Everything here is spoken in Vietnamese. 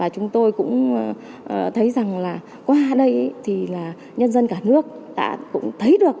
chúng tôi cũng thấy rằng là qua đây thì là nhân dân cả nước đã cũng thấy được